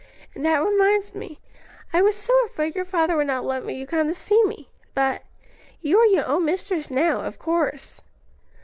"And that reminds me; I was so afraid your father would not let you come to see me. But you are your own mistress now, of course."